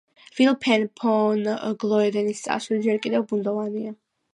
ვილჰელმ ფონ გლოედენის წარსული ჯერ კიდევ ბუნდოვანია.